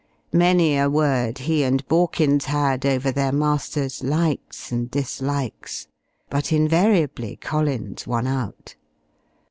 Many a word he and Borkins had over their master's likes and dislikes. But invariably Collins won out.